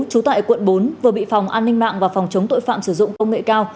trú tại quận bốn vừa bị phòng an ninh mạng và phòng chống tội phạm sử dụng công nghệ cao